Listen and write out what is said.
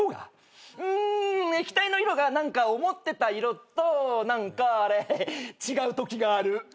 うーん液体の色が何か思ってた色と何かあれ違うときがある。